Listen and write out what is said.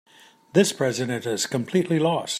This president is completely lost.